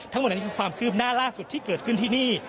ทั้งหมดนี้คือความคืบหน้าล่าสุดที่เกิดขึ้นที่นี่